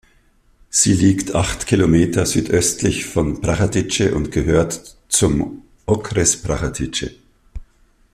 Sie liegt acht Kilometer südöstlich von Prachatice und gehört zum Okres Prachatice.